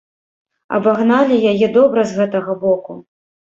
Абагналі яе добра з гэтага боку.